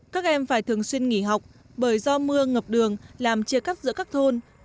các em phải thường xuyên nghỉ học bởi do mưa ngập đường làm chia cắt giữa các thôn